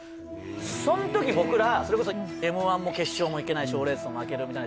そん時僕らそれこそＭ−１も決勝も行けない賞レースも負けるみたいな